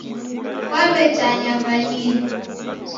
Kwaw'etanya w'anyinyu